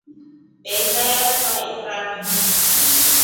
Besa yavairafu.